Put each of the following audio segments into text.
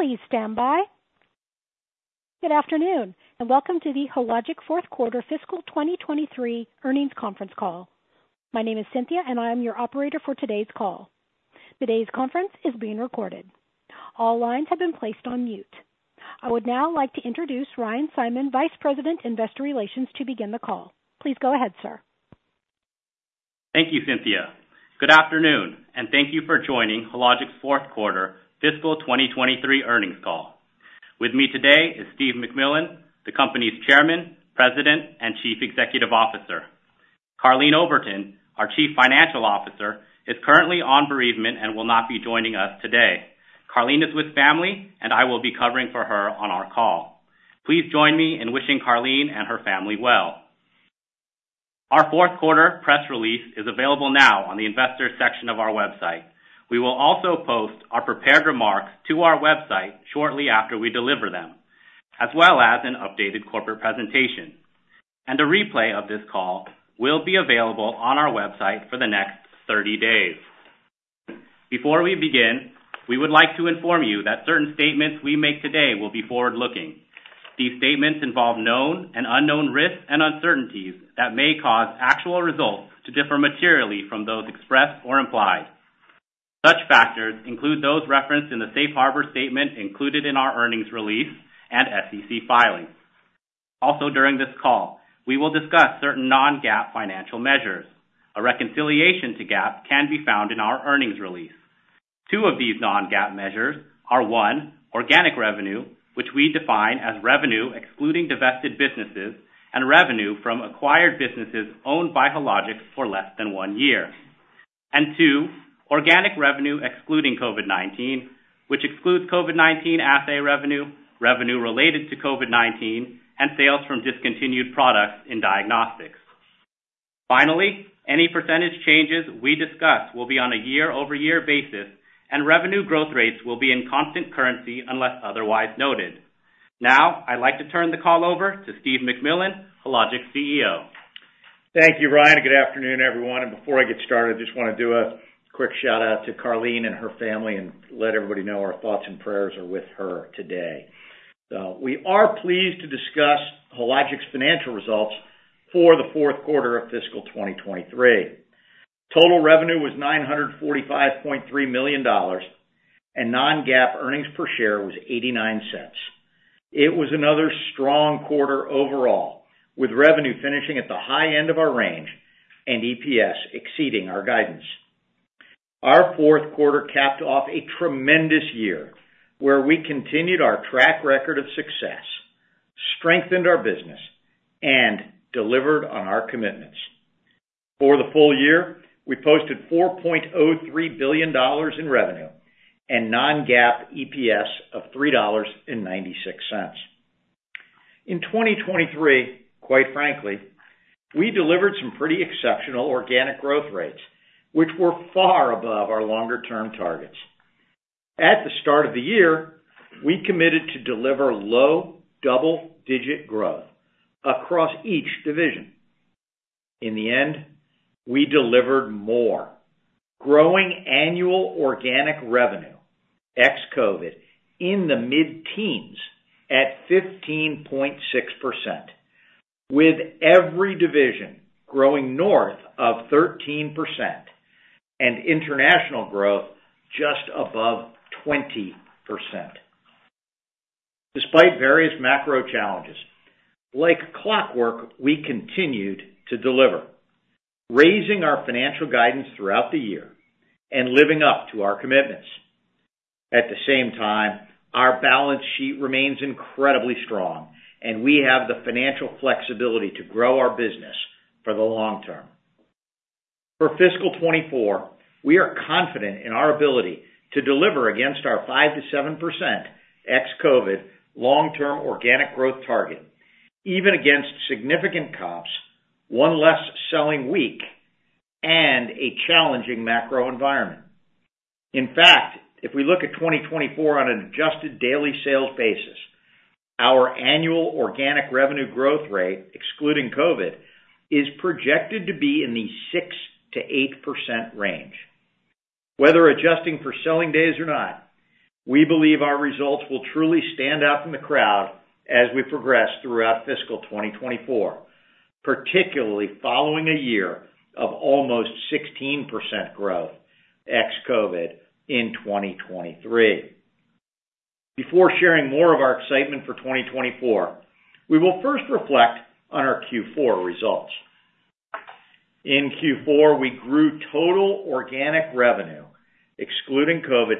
Please stand by. Good afternoon, and welcome to the Hologic fourth quarter fiscal 2023 earnings conference call. My name is Cynthia, and I am your operator for today's call. Today's conference is being recorded. All lines have been placed on mute. I would now like to introduce Ryan Simon, Vice President, Investor Relations, to begin the call. Please go ahead, sir. Thank you, Cynthia. Good afternoon, and thank you for joining Hologic's fourth quarter fiscal 2023 earnings call. With me today is Steve MacMillan, the company's Chairman, President, and Chief Executive Officer. Karleen Oberton, our Chief Financial Officer, is currently on bereavement and will not be joining us today. Karleen is with family, and I will be covering for her on our call. Please join me in wishing Karleen and her family well. Our fourth quarter press release is available now on the Investors section of our website. We will also post our prepared remarks to our website shortly after we deliver them, as well as an updated corporate presentation. A replay of this call will be available on our website for the next 30 days. Before we begin, we would like to inform you that certain statements we make today will be forward-looking. These statements involve known and unknown risks and uncertainties that may cause actual results to differ materially from those expressed or implied. Such factors include those referenced in the safe harbor statement included in our earnings release and SEC filings. Also, during this call, we will discuss certain non-GAAP financial measures. A reconciliation to GAAP can be found in our earnings release. Two of these non-GAAP measures are, one, organic revenue, which we define as revenue excluding divested businesses and revenue from acquired businesses owned by Hologic for less than one year. And two, organic revenue excluding COVID-19, which excludes COVID-19 assay revenue, revenue related to COVID-19, and sales from discontinued products in diagnostics. Finally, any percentage changes we discuss will be on a year-over-year basis, and revenue growth rates will be in constant currency unless otherwise noted. Now, I'd like to turn the call over to Steve MacMillan, Hologic's CEO. Thank you, Ryan. Good afternoon, everyone, and before I get started, I just want to do a quick shout-out to Karleen and her family and let everybody know our thoughts and prayers are with her today. We are pleased to discuss Hologic's financial results for the fourth quarter of fiscal 2023. Total revenue was $945.3 million, and non-GAAP earnings per share was $0.89. It was another strong quarter overall, with revenue finishing at the high end of our range and EPS exceeding our guidance. Our fourth quarter capped off a tremendous year where we continued our track record of success, strengthened our business, and delivered on our commitments. For the full year, we posted $4.03 billion in revenue and non-GAAP EPS of $3.96. In 2023, quite frankly, we delivered some pretty exceptional organic growth rates, which were far above our longer-term targets. At the start of the year, we committed to deliver low double-digit growth across each division. In the end, we delivered more, growing annual organic revenue, ex COVID, in the mid-teens at 15.6%, with every division growing north of 13% and international growth just above 20%. Despite various macro challenges, like clockwork, we continued to deliver, raising our financial guidance throughout the year and living up to our commitments. At the same time, our balance sheet remains incredibly strong, and we have the financial flexibility to grow our business for the long term. For fiscal 2024, we are confident in our ability to deliver against our 5%-7% ex-COVID long-term organic growth target, even against significant comps, one less selling week, and a challenging macro environment. In fact, if we look at 2024 on an adjusted daily sales basis, our annual organic revenue growth rate, excluding COVID, is projected to be in the 6%-8% range. Whether adjusting for selling days or not, we believe our results will truly stand out from the crowd as we progress throughout fiscal 2024, particularly following a year of almost 16% growth ex-COVID in 2023. Before sharing more of our excitement for 2024, we will first reflect on our Q4 results. In Q4, we grew total organic revenue, excluding COVID,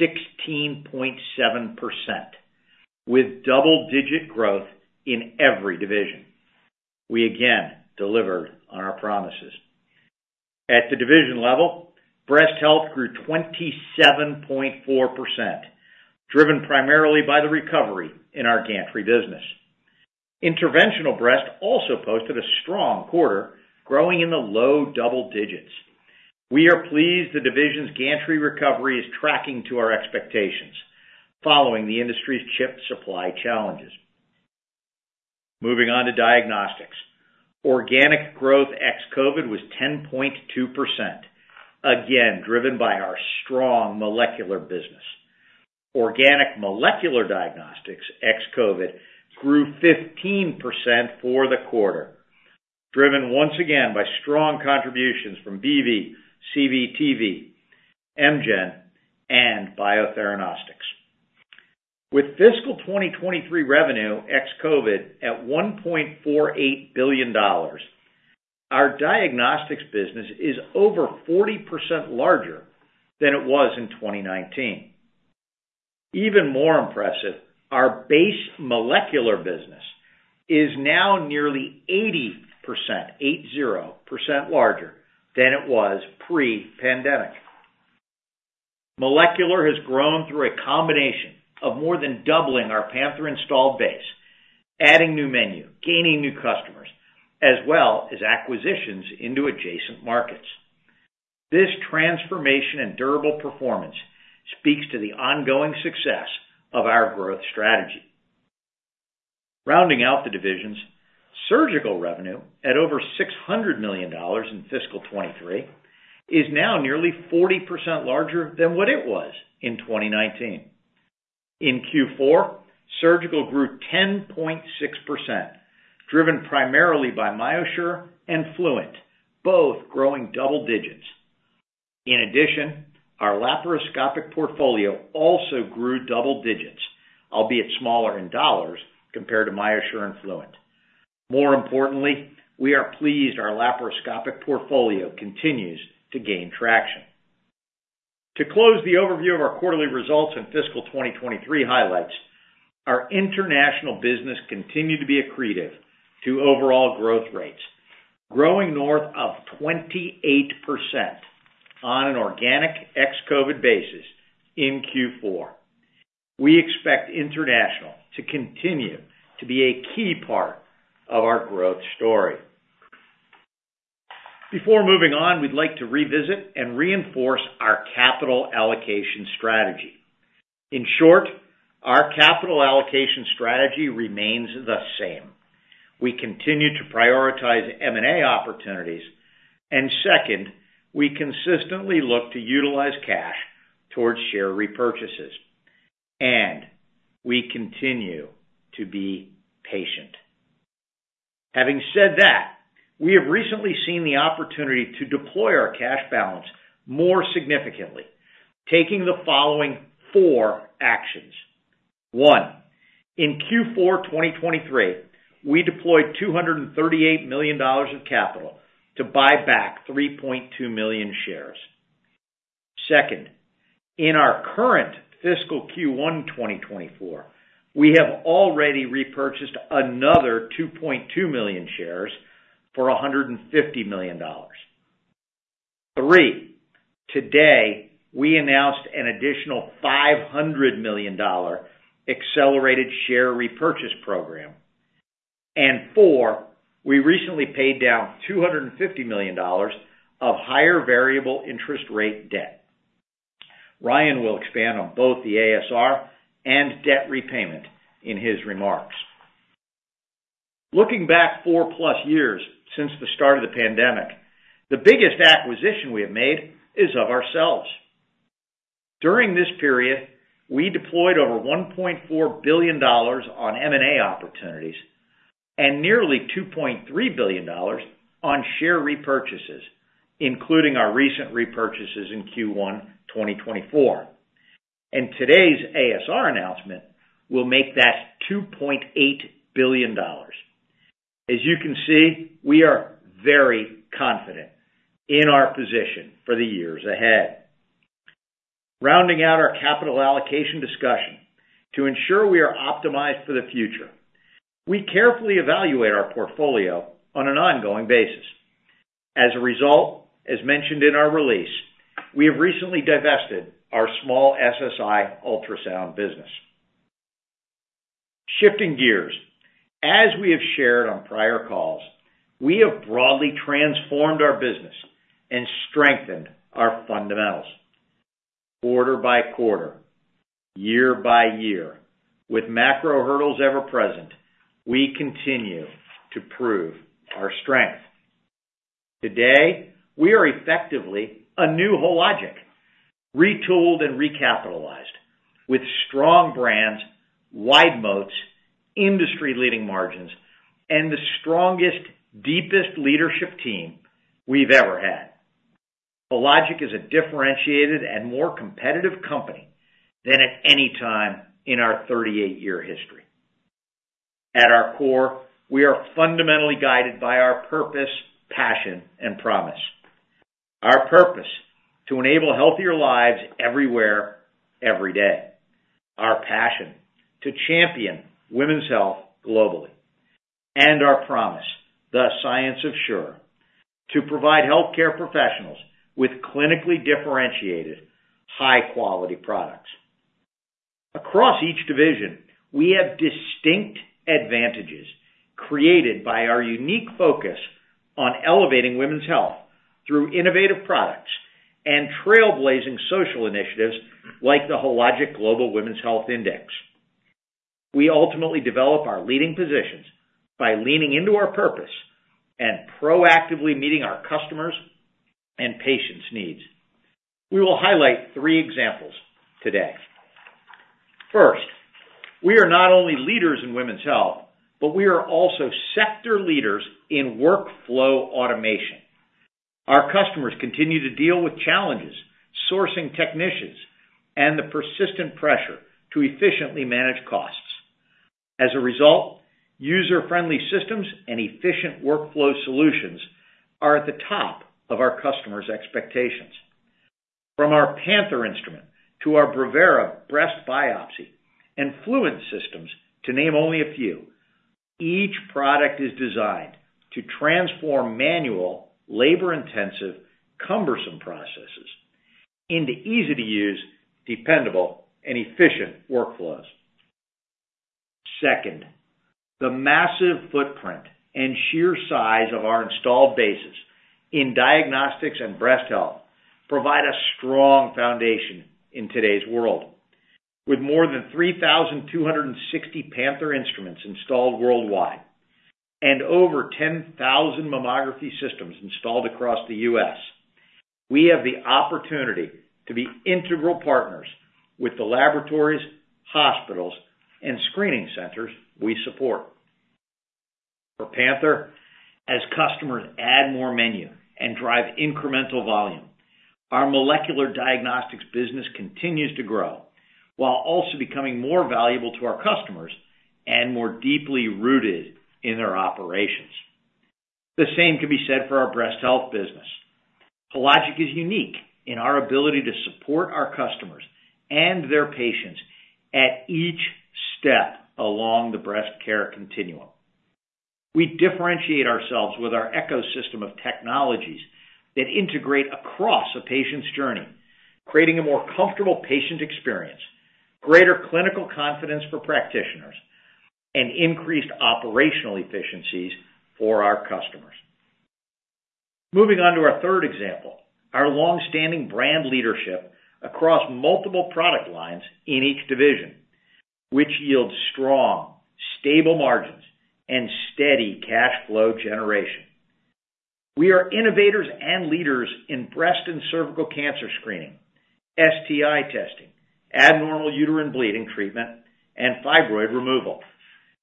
16.7%, with double-digit growth in every division. We again delivered on our promises. At the division level, breast health grew 27.4%, driven primarily by the recovery in our gantry business. Interventional breast also posted a strong quarter, growing in the low double digits. We are pleased the division's gantry recovery is tracking to our expectations, following the industry's chip supply challenges. Moving on to diagnostics. Organic growth ex-COVID was 10.2%, again, driven by our strong molecular business. Organic molecular diagnostics, ex-COVID, grew 15% for the quarter, driven once again by strong contributions from BV, CV, TV, Aptima, and Biotheranostics. With fiscal 2023 revenue ex-COVID at $1.48 billion, our diagnostics business is over 40% larger than it was in 2019. Even more impressive, our base molecular business is now nearly 80%, 80%, larger than it was pre-pandemic. Molecular has grown through a combination of more than doubling our Panther installed base, adding new menu, gaining new customers, as well as acquisitions into adjacent markets. This transformation and durable performance speaks to the ongoing success of our growth strategy. Rounding out the divisions, surgical revenue at over $600 million in fiscal 2023, is now nearly 40% larger than what it was in 2019. In Q4, surgical grew 10.6%, driven primarily by MyoSure and Fluent, both growing double digits. In addition, our laparoscopic portfolio also grew double digits, albeit smaller in dollars compared to MyoSure and Fluent. More importantly, we are pleased our laparoscopic portfolio continues to gain traction. To close the overview of our quarterly results and fiscal 2023 highlights, our international business continued to be accretive to overall growth rates, growing north of 28% on an organic ex-COVID basis in Q4. We expect international to continue to be a key part of our growth story. Before moving on, we'd like to revisit and reinforce our capital allocation strategy. In short, our capital allocation strategy remains the same. We continue to prioritize M&A opportunities, and second, we consistently look to utilize cash towards share repurchases, and we continue to be patient. Having said that, we have recently seen the opportunity to deploy our cash balance more significantly, taking the following four actions: one, in Q4 2023, we deployed $238 million of capital to buy back 3.2 million shares. Second, in our current fiscal Q1 2024, we have already repurchased another 2.2 million shares for $150 million. Three, today, we announced an additional $500 million accelerated share repurchase program. And four, we recently paid down $250 million of higher variable interest rate debt. Ryan will expand on both the ASR and debt repayment in his remarks. Looking back 4+ years since the start of the pandemic, the biggest acquisition we have made is of ourselves. During this period, we deployed over $1.4 billion on M&A opportunities and nearly $2.3 billion on share repurchases, including our recent repurchases in Q1 2024. And today's ASR announcement will make that $2.8 billion. As you can see, we are very confident in our position for the years ahead. Rounding out our capital allocation discussion, to ensure we are optimized for the future, we carefully evaluate our portfolio on an ongoing basis. As a result, as mentioned in our release, we have recently divested our small SSI ultrasound business. Shifting gears, as we have shared on prior calls, we have broadly transformed our business and strengthened our fundamentals quarter-by-quarter, year-by-year. With macro hurdles ever present, we continue to prove our strength. Today, we are effectively a new Hologic, retooled and recapitalized with strong brands, wide moats, industry-leading margins, and the strongest, deepest leadership team we've ever had. Hologic is a differentiated and more competitive company than at any time in our 38-year history. At our core, we are fundamentally guided by our purpose, passion, and promise. Our purpose: to enable healthier lives everywhere, every day. Our passion: to champion women's health globally. Our promise, The Science of Sure, to provide healthcare professionals with clinically differentiated, high-quality products. Across each division, we have distinct advantages created by our unique focus on elevating women's health through innovative products... and trailblazing social initiatives like the Hologic Global Women's Health Index. We ultimately develop our leading positions by leaning into our purpose and proactively meeting our customers' and patients' needs. We will highlight three examples today. First, we are not only leaders in women's health, but we are also sector leaders in workflow automation. Our customers continue to deal with challenges, sourcing technicians, and the persistent pressure to efficiently manage costs. As a result, user-friendly systems and efficient workflow solutions are at the top of our customers' expectations. From our Panther instrument to our Brevera breast biopsy and Fluent system, to name only a few, each product is designed to transform manual, labor-intensive, cumbersome processes into easy-to-use, dependable, and efficient workflows. Second, the massive footprint and sheer size of our installed bases in diagnostics and breast health provide a strong foundation in today's world. With more than 3,260 Panther instruments installed worldwide and over 10,000 mammography systems installed across the U.S., we have the opportunity to be integral partners with the laboratories, hospitals, and screening centers we support. For Panther, as customers add more menu and drive incremental volume, our molecular diagnostics business continues to grow, while also becoming more valuable to our customers and more deeply rooted in their operations. The same can be said for our breast health business. Hologic is unique in our ability to support our customers and their patients at each step along the breast care continuum. We differentiate ourselves with our ecosystem of technologies that integrate across a patient's journey, creating a more comfortable patient experience, greater clinical confidence for practitioners, and increased operational efficiencies for our customers. Moving on to our third example, our long-standing brand leadership across multiple product lines in each division, which yields strong, stable margins and steady cash flow generation. We are innovators and leaders in breast and cervical cancer screening, STI testing, abnormal uterine bleeding treatment, and fibroid removal.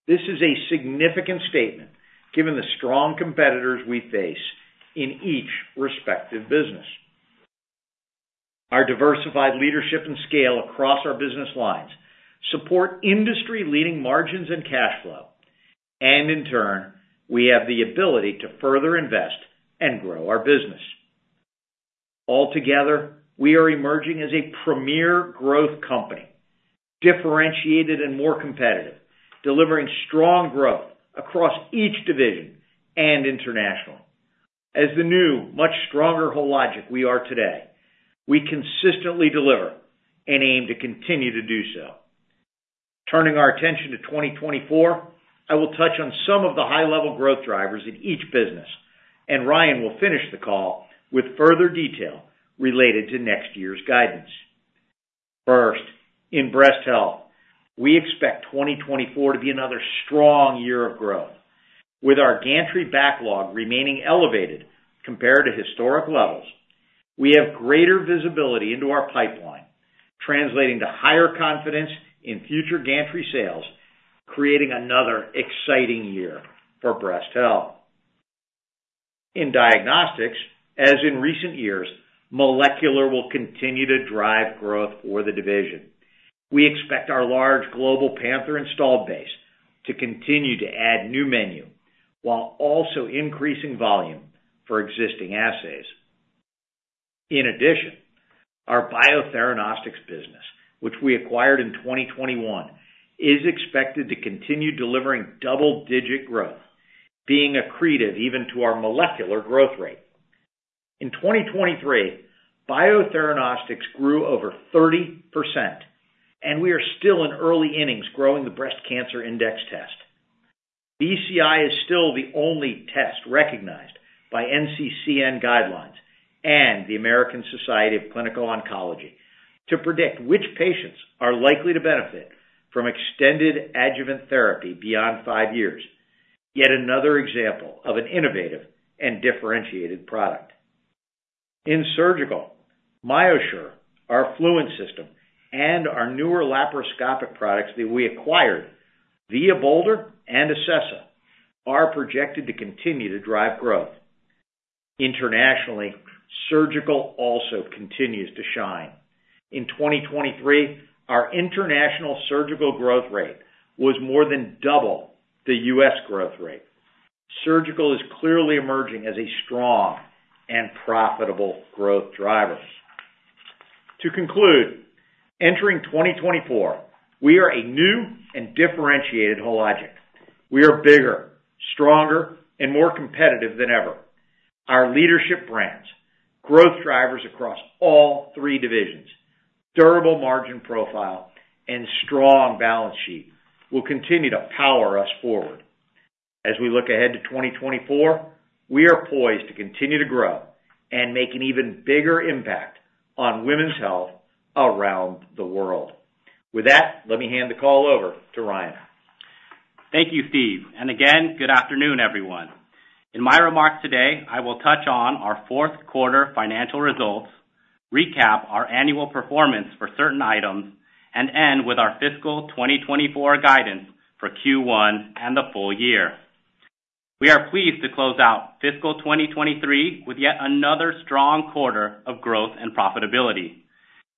This is a significant statement given the strong competitors we face in each respective business. Our diversified leadership and scale across our business lines support industry-leading margins and cash flow, and in turn, we have the ability to further invest and grow our business. Altogether, we are emerging as a premier growth company, differentiated and more competitive, delivering strong growth across each division and internationally. As the new, much stronger Hologic we are today, we consistently deliver and aim to continue to do so. Turning our attention to 2024, I will touch on some of the high-level growth drivers in each business, and Ryan will finish the call with further detail related to next year's guidance. First, in breast health, we expect 2024 to be another strong year of growth, with our gantry backlog remaining elevated compared to historic levels. We have greater visibility into our pipeline, translating to higher confidence in future gantry sales, creating another exciting year for breast health. In diagnostics, as in recent years, molecular will continue to drive growth for the division. We expect our large global Panther installed base to continue to add new menu while also increasing volume for existing assays. In addition, our Biotheranostics business, which we acquired in 2021, is expected to continue delivering double-digit growth, being accretive even to our molecular growth rate. In 2023, Biotheranostics grew over 30%, and we are still in early innings growing the Breast Cancer Index test. BCI is still the only test recognized by NCCN guidelines and the American Society of Clinical Oncology to predict which patients are likely to benefit from extended adjuvant therapy beyond five years. Yet another example of an innovative and differentiated product. In surgical, MyoSure, our Fluent systems, and our newer laparoscopic products that we acquired via Bolder and Acessa, are projected to continue to drive growth. Internationally, surgical also continues to shine. In 2023, our international surgical growth rate was more than double the US growth rate. Surgical is clearly emerging as a strong and profitable growth driver. To conclude, entering 2024, we are a new and differentiated Hologic. We are bigger, stronger, and more competitive than ever. Our leadership brands, growth drivers across all three divisions, durable margin profile, and strong balance sheet will continue to power us forward.... As we look ahead to 2024, we are poised to continue to grow and make an even bigger impact on women's health around the world. With that, let me hand the call over to Ryan. Thank you, Steve, and again, good afternoon, everyone. In my remarks today, I will touch on our fourth quarter financial results, recap our annual performance for certain items, and end with our fiscal 2024 guidance for Q1 and the full year. We are pleased to close out fiscal 2023 with yet another strong quarter of growth and profitability.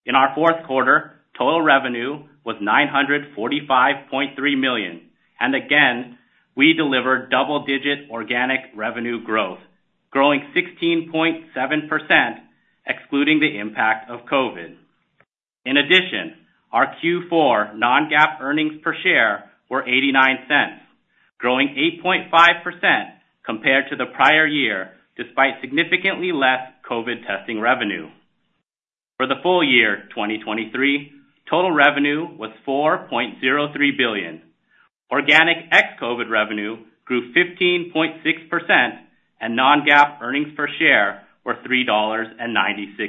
In our fourth quarter, total revenue was $945.3 million, and again, we delivered double-digit organic revenue growth, growing 16.7%, excluding the impact of COVID. In addition, our Q4 non-GAAP earnings per share were $0.89, growing 8.5% compared to the prior year, despite significantly less COVID testing revenue. For the full year 2023, total revenue was $4.03 billion. Organic ex-COVID revenue grew 15.6%, and non-GAAP earnings per share were $3.96.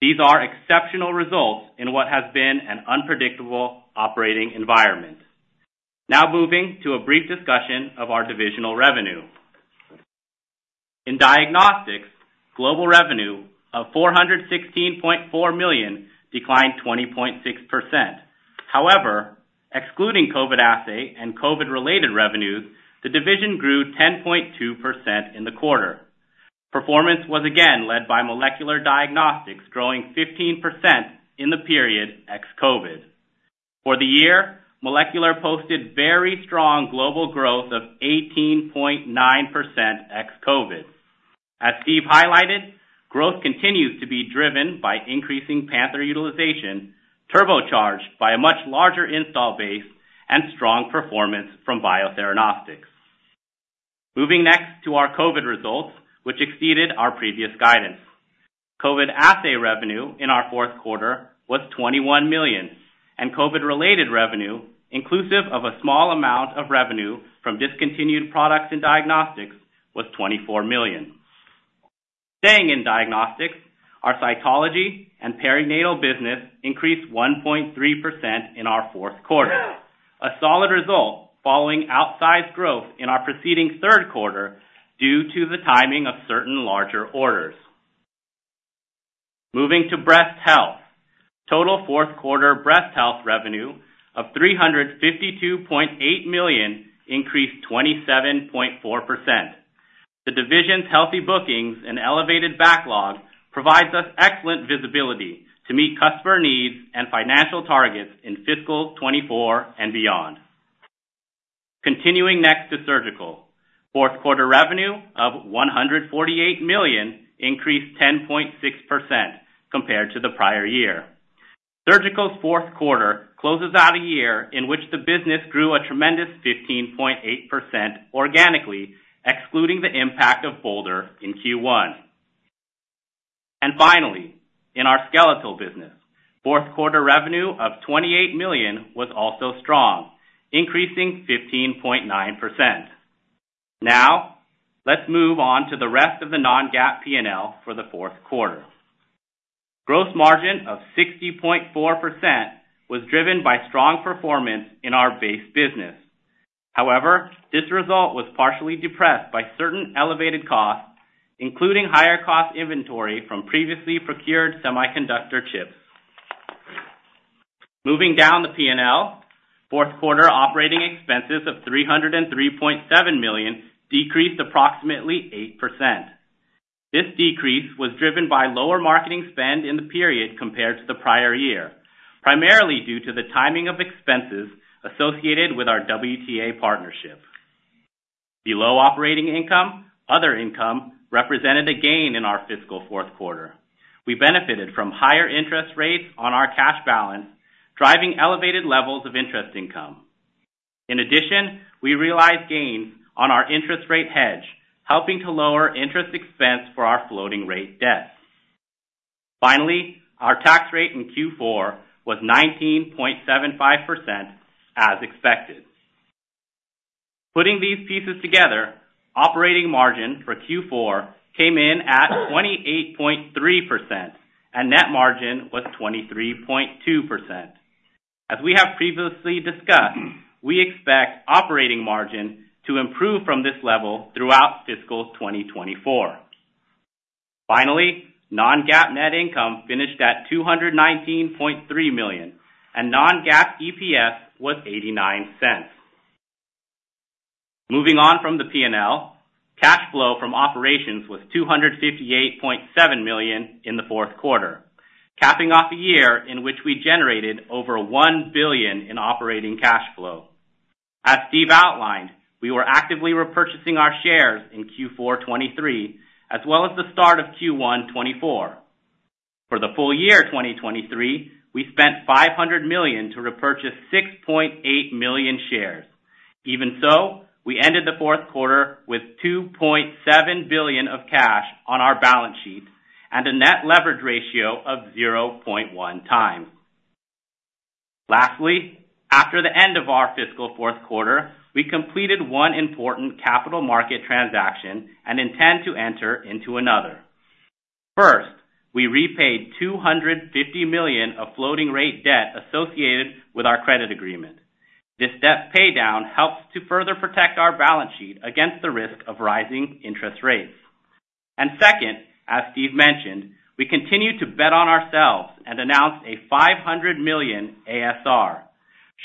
These are exceptional results in what has been an unpredictable operating environment. Now moving to a brief discussion of our divisional revenue. In diagnostics, global revenue of $416.4 million declined 20.6%. However, excluding COVID assay and COVID-related revenues, the division grew 10.2% in the quarter. Performance was again led by molecular diagnostics, growing 15% in the period ex-COVID. For the year, molecular posted very strong global growth of 18.9% ex-COVID. As Steve highlighted, growth continues to be driven by increasing Panther utilization, turbocharged by a much larger install base and strong performance from Biotheranostics. Moving next to our COVID results, which exceeded our previous guidance. COVID assay revenue in our fourth quarter was $21 million, and COVID-related revenue, inclusive of a small amount of revenue from discontinued products and diagnostics, was $24 million. Staying in diagnostics, our cytology and perinatal business increased 1.3% in our fourth quarter, a solid result following outsized growth in our preceding third quarter due to the timing of certain larger orders. Moving to breast health. Total fourth quarter breast health revenue of $352.8 million increased 27.4%. The division's healthy bookings and elevated backlog provides us excellent visibility to meet customer needs and financial targets in fiscal 2024 and beyond. Continuing next to surgical. Fourth quarter revenue of $148 million increased 10.6% compared to the prior year. Surgical's fourth quarter closes out a year in which the business grew a tremendous 15.8% organically, excluding the impact of Bolder in Q1. Finally, in our skeletal business, fourth quarter revenue of $28 million was also strong, increasing 15.9%. Now, let's move on to the rest of the non-GAAP P&L for the fourth quarter. Gross margin of 60.4% was driven by strong performance in our base business. However, this result was partially depressed by certain elevated costs, including higher cost inventory from previously procured semiconductor chips. Moving down the P&L, fourth quarter operating expenses of $303.7 million decreased approximately 8%. This decrease was driven by lower marketing spend in the period compared to the prior year, primarily due to the timing of expenses associated with our WTA partnership. Below operating income, other income represented a gain in our fiscal fourth quarter. We benefited from higher interest rates on our cash balance, driving elevated levels of interest income. In addition, we realized gains on our interest rate hedge, helping to lower interest expense for our floating rate debt. Finally, our tax rate in Q4 was 19.75%, as expected. Putting these pieces together, operating margin for Q4 came in at 28.3%, and net margin was 23.2%. As we have previously discussed, we expect operating margin to improve from this level throughout fiscal 2024. Finally, non-GAAP net income finished at $219.3 million, and non-GAAP EPS was $0.89. Moving on from the P&L, cash flow from operations was $258.7 million in the fourth quarter, capping off a year in which we generated over $1 billion in operating cash flow. As Steve outlined, we were actively repurchasing our shares in Q4 2023, as well as the start of Q1 2024. For the full year 2023, we spent $500 million to repurchase 6.8 million shares. Even so, we ended the fourth quarter with $2.7 billion of cash on our balance sheet and a net leverage ratio of 0.1x. Lastly, after the end of our fiscal fourth quarter, we completed one important capital market transaction and intend to enter into another. First, we repaid $250 million of floating rate debt associated with our credit agreement. This debt paydown helps to further protect our balance sheet against the risk of rising interest rates. Second, as Steve mentioned, we continue to bet on ourselves and announced a $500 million ASR,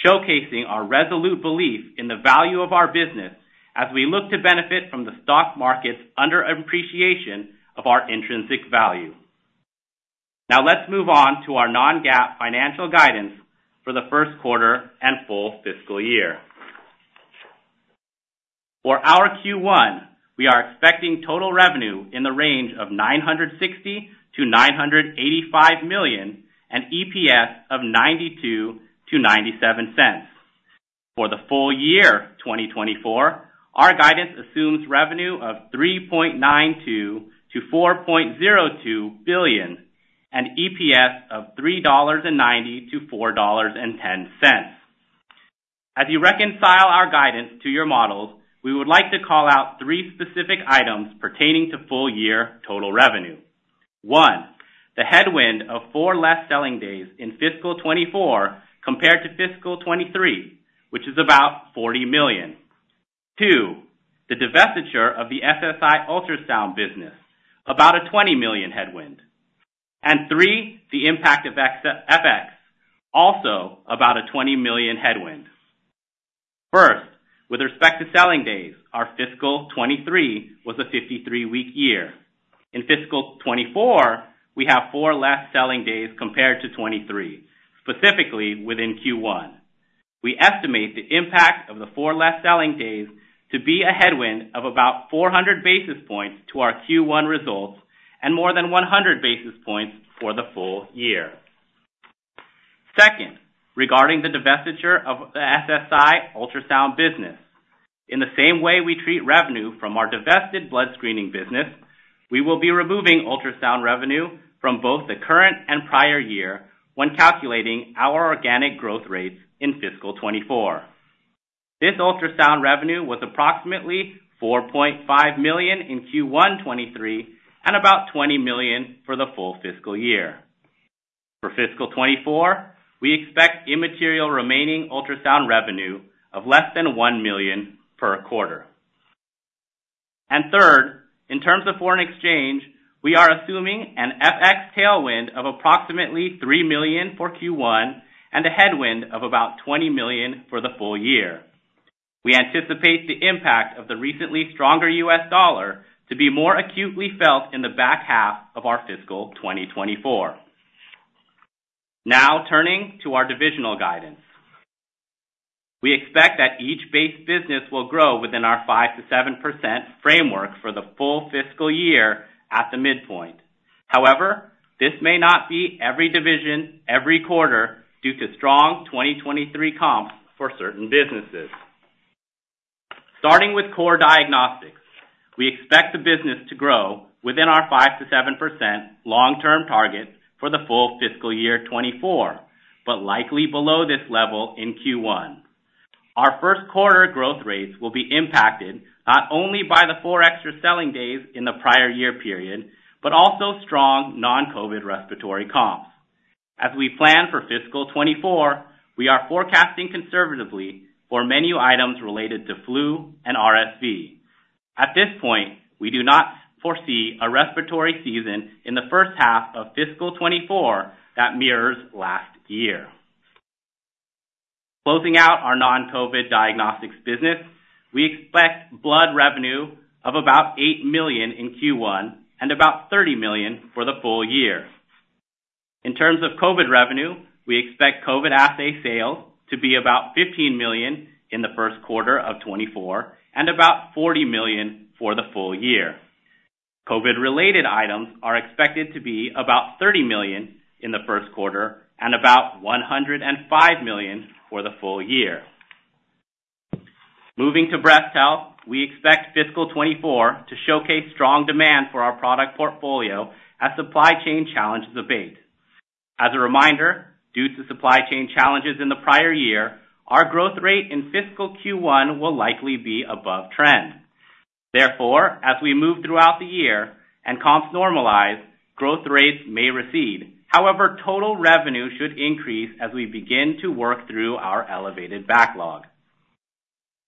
showcasing our resolute belief in the value of our business as we look to benefit from the stock market's under appreciation of our intrinsic value. Now let's move on to our non-GAAP financial guidance for the first quarter and full fiscal year. For our Q1, we are expecting total revenue in the range of $960 million-$985 million, and EPS of $0.92-$0.97. For the full year, 2024, our guidance assumes revenue of $3.92 billion-$4.02 billion, and EPS of $3.90-$4.10. As you reconcile our guidance to your models, we would like to call out three specific items pertaining to full year total revenue. One, the headwind of four less selling days in fiscal 2024 compared to fiscal 2023, which is about $40 million. Two, the divestiture of the SSI Ultrasound business, about a $20 million headwind. And three, the impact of FX, also about a $20 million headwind. First, with respect to selling days, our fiscal 2023 was a 53-week year. In fiscal 2024, we have four less selling days compared to 2023, specifically within Q1. We estimate the impact of the four less selling days to be a headwind of about 400 basis points to our Q1 results, and more than 100 basis points for the full year. Second, regarding the divestiture of the SSI Ultrasound business. In the same way we treat revenue from our divested blood screening business, we will be removing ultrasound revenue from both the current and prior year when calculating our organic growth rates in fiscal 2024. This ultrasound revenue was approximately $4.5 million in Q1 2023, and about $20 million for the full fiscal year. For fiscal 2024, we expect immaterial remaining ultrasound revenue of less than $1 million per quarter. Third, in terms of foreign exchange, we are assuming an FX tailwind of approximately $3 million for Q1, and a headwind of about $20 million for the full year. We anticipate the impact of the recently stronger US dollar to be more acutely felt in the back half of our fiscal 2024. Now, turning to our divisional guidance. We expect that each base business will grow within our 5%-7% framework for the full fiscal year at the midpoint. However, this may not be every division, every quarter, due to strong 2023 comps for certain businesses. Starting with core diagnostics, we expect the business to grow within our 5%-7% long-term target for the full fiscal year 2024, but likely below this level in Q1. Our first quarter growth rates will be impacted not only by the four extra selling days in the prior year period, but also strong non-COVID respiratory comps. As we plan for fiscal 2024, we are forecasting conservatively for menu items related to flu and RSV. At this point, we do not foresee a respiratory season in the first half of fiscal 2024 that mirrors last year. Closing out our non-COVID diagnostics business, we expect blood revenue of about $8 million in Q1, and about $30 million for the full year. In terms of COVID revenue, we expect COVID assay sales to be about $15 million in the first quarter of 2024, and about $40 million for the full year. COVID-related items are expected to be about $30 million in the first quarter, and about $105 million for the full year. Moving to breast health, we expect fiscal 2024 to showcase strong demand for our product portfolio as supply chain challenges abate. As a reminder, due to supply chain challenges in the prior year, our growth rate in fiscal Q1 will likely be above trend. Therefore, as we move throughout the year and comps normalize, growth rates may recede. However, total revenue should increase as we begin to work through our elevated backlog.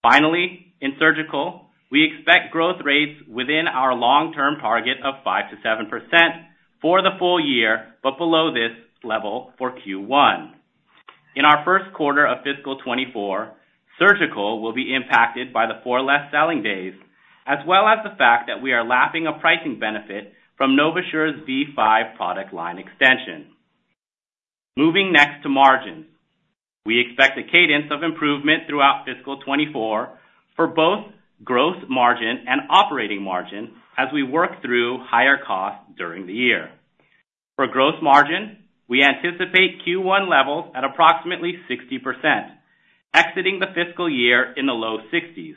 Finally, in surgical, we expect growth rates within our long-term target of 5%-7% for the full year, but below this level for Q1. In our first quarter of fiscal 2024, surgical will be impacted by the four less selling days, as well as the fact that we are lapping a pricing benefit from NovaSure's V5 product line extension. Moving next to margins. We expect a cadence of improvement throughout fiscal 2024 for both growth margin and operating margin as we work through higher costs during the year. For gross margin, we anticipate Q1 levels at approximately 60%, exiting the fiscal year in the low 60s.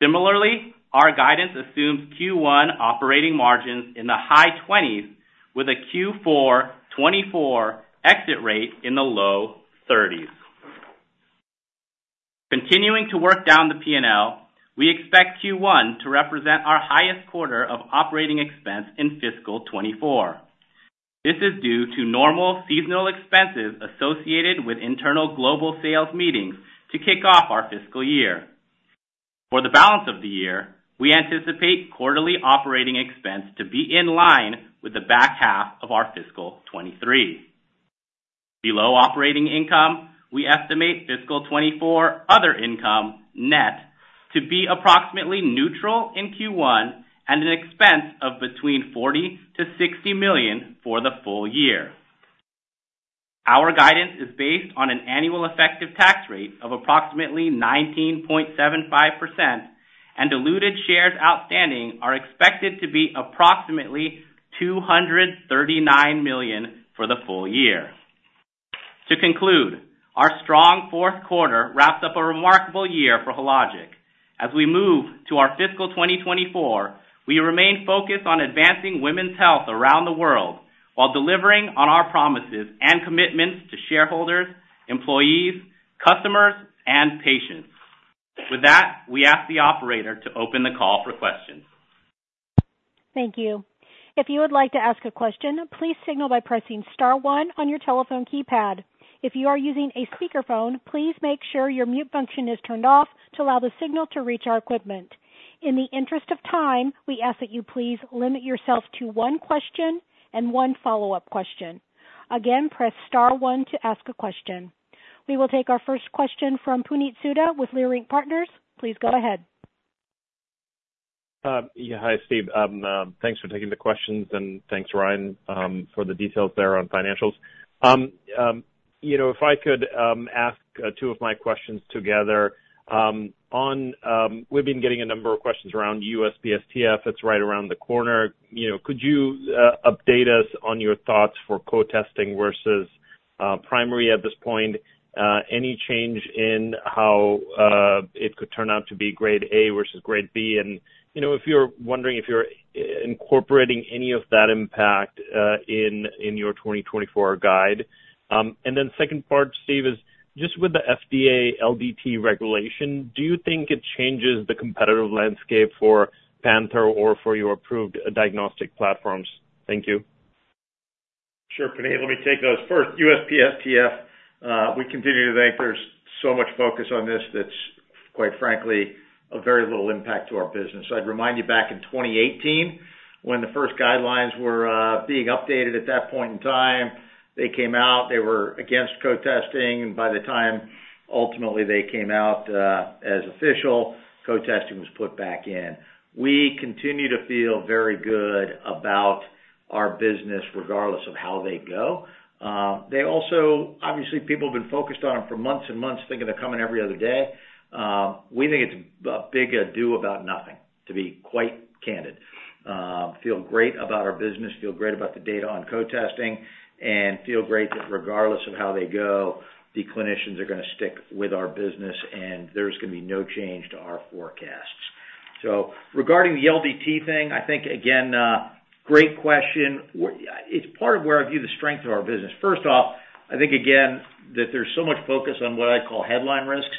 Similarly, our guidance assumes Q1 operating margins in the high 20s, with a Q4 2024 exit rate in the low 30s. Continuing to work down the P&L, we expect Q1 to represent our highest quarter of operating expense in fiscal 2024. This is due to normal seasonal expenses associated with internal global sales meetings to kick off our fiscal year. For the balance of the year, we anticipate quarterly operating expense to be in line with the back half of our fiscal 2023. Below operating income, we estimate fiscal 2024 other income net to be approximately neutral in Q1 and an expense of between $40 million-$60 million for the full year. Our guidance is based on an annual effective tax rate of approximately 19.75%, and diluted shares outstanding are expected to be approximately 239 million for the full year. To conclude, our strong fourth quarter wrapped up a remarkable year for Hologic. As we move to our fiscal 2024, we remain focused on advancing women's health around the world, while delivering on our promises and commitments to shareholders, employees, customers, and patients. With that, we ask the operator to open the call for questions. Thank you. If you would like to ask a question, please signal by pressing star one on your telephone keypad. If you are using a speakerphone, please make sure your mute function is turned off to allow the signal to reach our equipment. In the interest of time, we ask that you please limit yourself to one question and one follow-up question. Again, press star one to ask a question. We will take our first question from Puneet Souda with Leerink Partners. Please go ahead. Yeah, hi, Steve. Thanks for taking the questions, and thanks, Ryan, for the details there on financials. You know, if I could ask two of my questions together, on, we've been getting a number of questions around USPSTF that's right around the corner. You know, could you update us on your thoughts for co-testing versus primary at this point? Any change in how it could turn out to be grade A versus grade B? And, you know, if you're incorporating any of that impact in your 2024 guide. And then second part, Steve, is just with the FDA LDT regulation, do you think it changes the competitive landscape for Panther or for your approved diagnostic platforms? Thank you. Sure, Puneet, let me take those. First, USPSTF, we continue to think there's so much focus on this that's quite frankly a very little impact to our business. I'd remind you back in 2018, when the first guidelines were being updated at that point in time, they came out, they were against co-testing, and by the time ultimately they came out as official, co-testing was put back in. We continue to feel very good about our business, regardless of how they go. They also obviously people have been focused on it for months and months, thinking they're coming every other day. We think it's a big ado about nothing, to be quite candid. Feel great about our business, feel great about the data on co-testing, and feel great that regardless of how they go, the clinicians are gonna stick with our business, and there's gonna be no change to our forecasts. So regarding the LDT thing, I think, again, great question. It's part of where I view the strength of our business. First off, I think, again, that there's so much focus on what I call headline risks.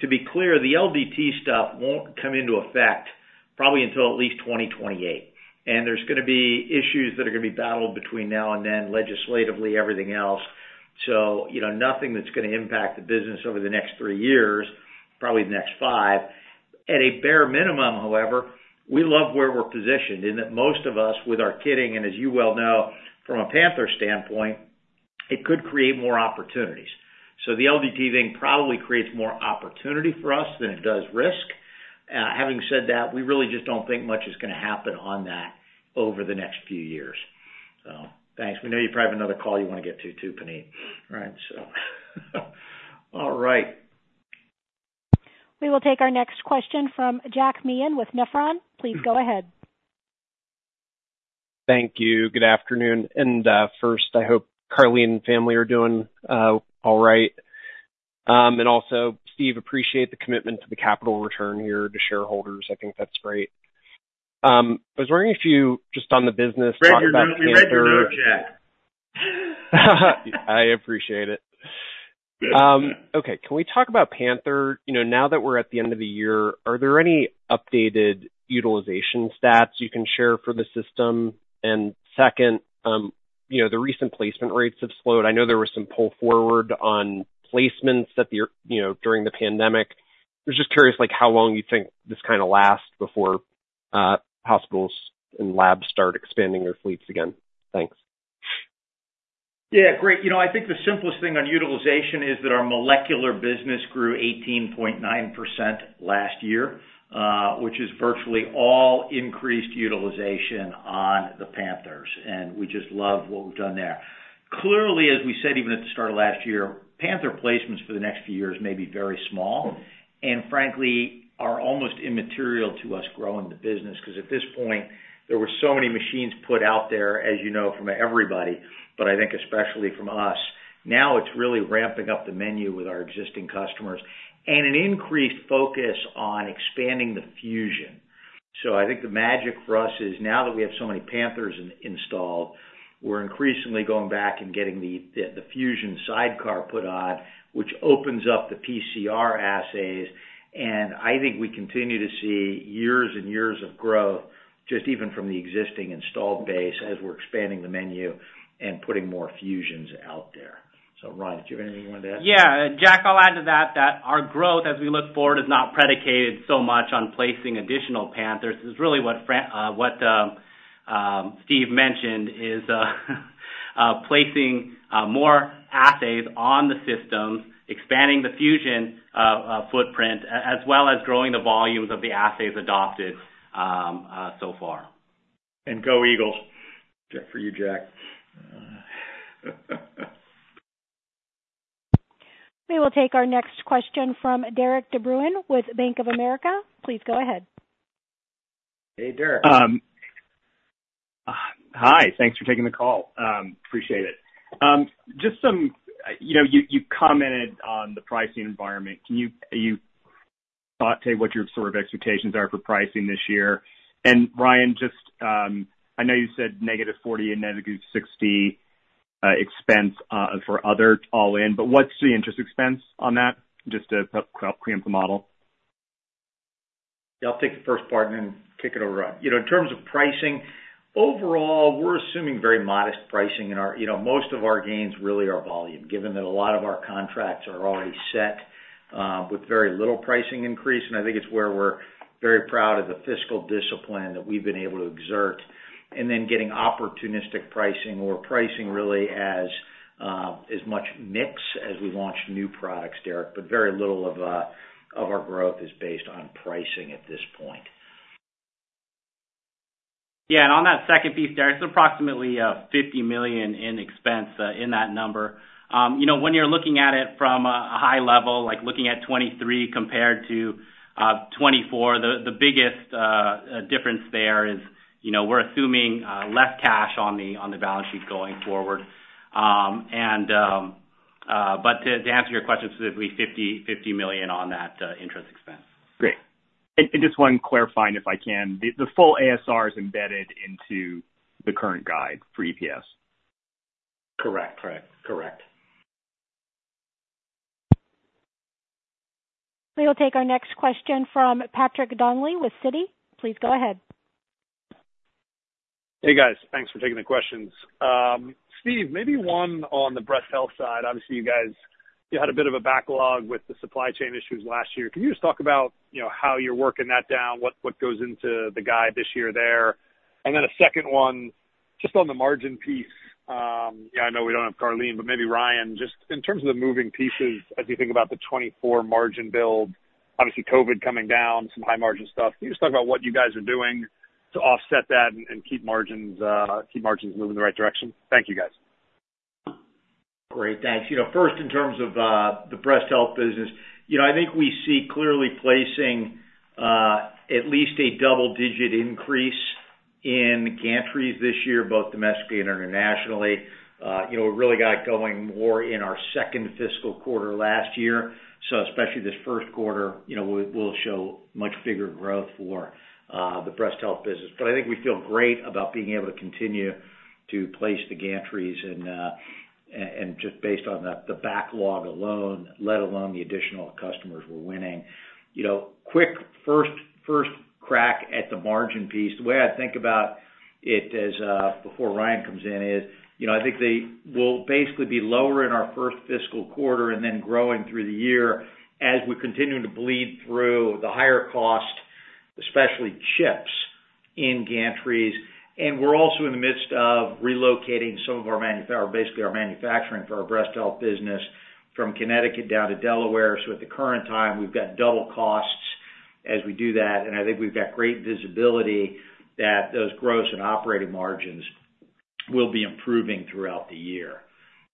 To be clear, the LDT stuff won't come into effect probably until at least 2028, and there's gonna be issues that are gonna be battled between now and then, legislatively, everything else. So, you know, nothing that's gonna impact the business over the next three years, probably the next five. At a bare minimum, however, we love where we're positioned in that most of us, with our kitting, and as you well know, from a Panther standpoint, it could create more opportunities. So the LDT thing probably creates more opportunity for us than it does risk. Having said that, we really just don't think much is gonna happen on that over the next few years. So thanks. We know you probably have another call you wanna get to, too, Puneet, right? So all right. We will take our next question from Jack Meehan with Nephron. Please go ahead. Thank you. Good afternoon, and first, I hope Karleen and family are doing all right. And also, Steve, appreciate the commitment to the capital return here to shareholders. I think that's great. I was wondering if you, just on the business, talk about Panther- Read your note. We read your note, Jack. I appreciate it. Good. Okay. Can we talk about Panther? You know, now that we're at the end of the year, are there any updated utilization stats you can share for the system? And second, you know, the recent placement rates have slowed. I know there was some pull forward on placements at the you know, during the pandemic. I was just curious, like, how long you think this kind of lasts before, hospitals and labs start expanding their fleets again? Thanks. Yeah, great. You know, I think the simplest thing on utilization is that our molecular business grew 18.9% last year, which is virtually all increased utilization on the Panthers, and we just love what we've done there. Clearly, as we said, even at the start of last year, Panther placements for the next few years may be very small, and frankly, are almost immaterial to us growing the business, because at this point, there were so many machines put out there, as you know, from everybody, but I think especially from us. Now, it's really ramping up the menu with our existing customers and an increased focus on expanding the Fusion. So I think the magic for us is now that we have so many Panthers installed, we're increasingly going back and getting the Fusion sidecar put on, which opens up the PCR assays. And I think we continue to see years and years of growth, just even from the existing installed base, as we're expanding the menu and putting more Fusions out there. So Ryan, do you have anything you want to add? Yeah, Jack, I'll add to that, that our growth, as we look forward, is not predicated so much on placing additional Panthers. It's really what Steve mentioned is, placing more assays on the systems, expanding the Fusion footprint, as well as growing the volumes of the assays adopted so far. Go Eagles! Good for you, Jack. We will take our next question from Derik De Bruin, with Bank of America. Please go ahead. Hey, Derik. Hi, thanks for taking the call. Appreciate it. Just some, you know, you, you commented on the pricing environment. Can you, you thought to what your sort of expectations are for pricing this year? And Ryan, just, I know you said negative 40 and negative 60 expense for other all-in, but what's the interest expense on that? Just to help preempt the model. Yeah, I'll take the first part and then kick it over to Ryan. You know, in terms of pricing, overall, we're assuming very modest pricing in our... You know, most of our gains really are volume, given that a lot of our contracts are already set, with very little pricing increase, and I think it's where we're very proud of the fiscal discipline that we've been able to exert, and then getting opportunistic pricing or pricing really as much mix as we launch new products, Derik, but very little of our growth is based on pricing at this point. Yeah, and on that second piece, Derik, it's approximately $50 million in expense in that number. You know, when you're looking at it from a high level, like looking at 2023 compared to 2024, the biggest difference there is, you know, we're assuming less cash on the balance sheet going forward. But to answer your question, specifically, $50 million on that interest expense. Great. And just one clarifying if I can. The full ASR is embedded into the current guide for EPS? Correct. Correct. Correct. We will take our next question from Patrick Donnelly with Citi. Please go ahead. Hey, guys. Thanks for taking the questions. Steve, maybe one on the breast health side. Obviously, you guys had a bit of a backlog with the supply chain issues last year. Can you just talk about, you know, how you're working that down? What goes into the guide this year there? And then a second one, just on the margin piece. Yeah, I know we don't have Karleen, but maybe Ryan, just in terms of the moving pieces, as you think about the 2024 margin build, obviously, COVID coming down, some high margin stuff. Can you just talk about what you guys are doing to offset that and keep margins moving in the right direction? Thank you, guys. Great, thanks. You know, first, in terms of, the breast health business, you know, I think we see clearly placing, at least a double-digit increase in gantries this year, both domestic and internationally. You know, it really got going more in our second fiscal quarter last year. So especially this first quarter, you know, we'll show much bigger growth for, the breast health business. But I think we feel great about being able to continue to place the gantries and, and, and just based on the, the backlog alone, let alone the additional customers we're winning. You know, quick first crack at the margin piece, the way I think about it as, before Ryan comes in is, you know, I think they will basically be lower in our first fiscal quarter and then growing through the year as we continue to bleed through the higher cost, especially chips in gantries. And we're also in the midst of relocating some of our manufacturing for our breast health business from Connecticut down to Delaware. So at the current time, we've got double costs as we do that, and I think we've got great visibility that those gross and operating margins will be improving throughout the year.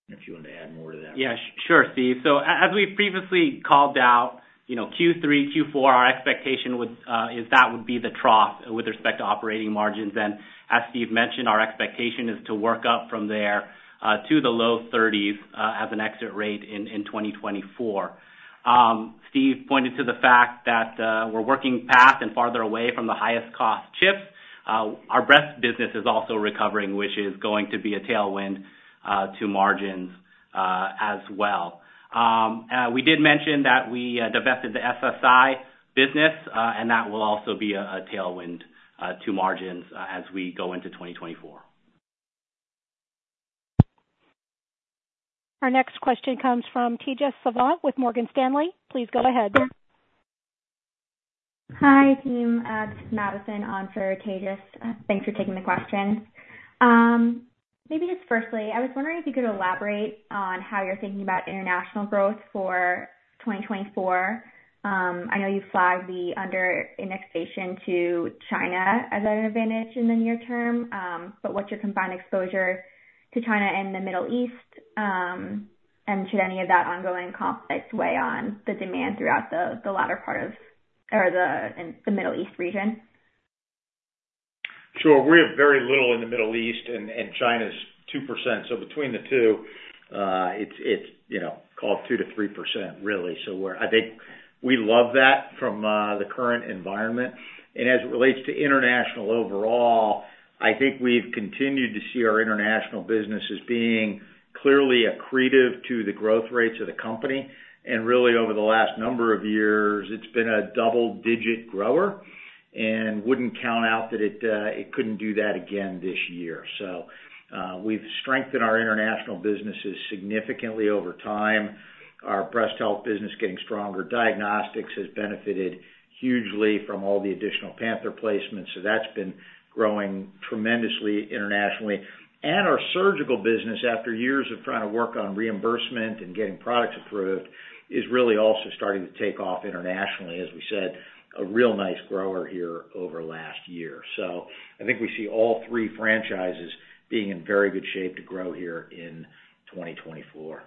If you want to add more to that. Yeah, sure, Steve. So as we previously called out, you know, Q3, Q4, our expectation is that would be the trough with respect to operating margins. And as Steve mentioned, our expectation is to work up from there to the low 30s% as an exit rate in 2024. Steve pointed to the fact that we're working past and farther away from the highest cost chips. Our breast business is also recovering, which is going to be a tailwind to margins as well. We did mention that we divested the SSI business, and that will also be a tailwind to margins as we go into 2024. Our next question comes from Tejas Savant with Morgan Stanley. Please go ahead. Hi, team. This is Madison on for Tejas. Thanks for taking the questions. Maybe just firstly, I was wondering if you could elaborate on how you're thinking about international growth for 2024. I know you flagged the under indexation to China as an advantage in the near term, but what's your combined exposure to China and the Middle East? And should any of that ongoing conflict weigh on the demand throughout the latter part of or in the Middle East region? ... Sure. We have very little in the Middle East, and China's 2%. So between the two, it's, you know, call it 2%-3%, really. So we're. I think we love that from the current environment. And as it relates to international overall, I think we've continued to see our international business as being clearly accretive to the growth rates of the company. And really, over the last number of years, it's been a double-digit grower, and wouldn't count out that it couldn't do that again this year. So, we've strengthened our international businesses significantly over time. Our breast health business getting stronger. Diagnostics has benefited hugely from all the additional Panther placements, so that's been growing tremendously internationally. Our surgical business, after years of trying to work on reimbursement and getting products approved, is really also starting to take off internationally. As we said, a real nice grower here over last year. I think we see all three franchises being in very good shape to grow here in 2024.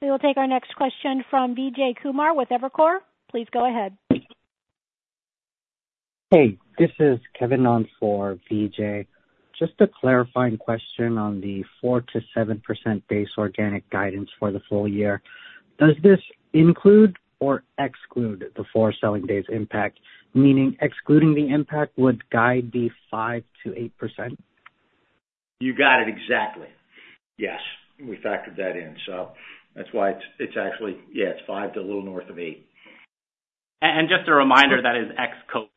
We will take our next question from Vijay Kumar with Evercore. Please go ahead. Hey, this is Kevin on for Vijay. Just a clarifying question on the 4%-7% base organic guidance for the full year. Does this include or exclude the fewer selling days impact, meaning excluding the impact would guide the 5%-8%? You got it, exactly. Yes, we factored that in. So that's why it's—it's actually... Yeah, it's five to a little north of eight. Just a reminder, that is ex-COVID.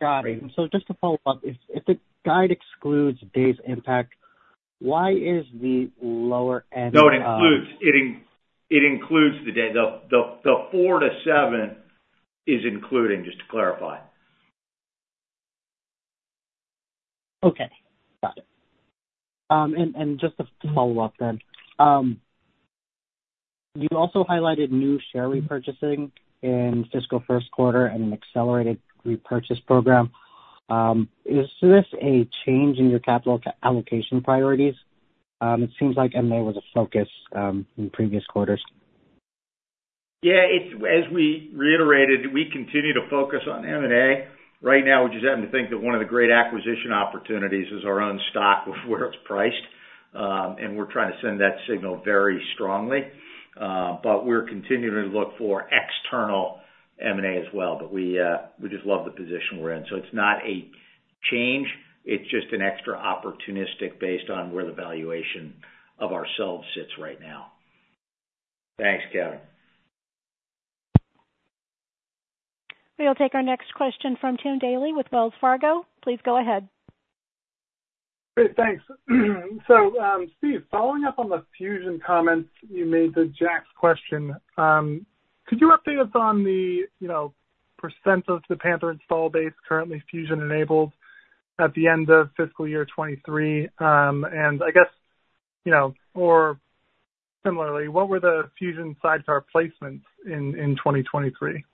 Got it. So just to follow up, if the guide excludes days impact, why is the lower end- No, it includes. It includes the day. The four to seven is including, just to clarify. Okay, got it. And just to follow up then, you also highlighted new share repurchasing in fiscal first quarter and an accelerated share repurchase program. Is this a change in your capital allocation priorities? It seems like M&A was a focus in previous quarters. Yeah, it's, as we reiterated, we continue to focus on M&A. Right now, we just happen to think that one of the great acquisition opportunities is our own stock, with where it's priced, and we're trying to send that signal very strongly. But we're continuing to look for external M&A as well. But we, we just love the position we're in. So it's not a change, it's just an extra opportunistic based on where the valuation of ourselves sits right now. Thanks, Kevin. We'll take our next question from Tim Daley with Wells Fargo. Please go ahead. Great, thanks. So, Steve, following up on the Fusion comments you made to Jack's question, could you update us on the, you know, pacentage of the Panther install base currently Fusion-enabled at the end of fiscal year 2023? And I guess, you know, or similarly, what were the Fusion sidecar placements in 2023?